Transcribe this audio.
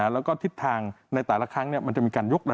แล้วก็ทิศทางในแต่ละครั้งมันจะมีการยุบ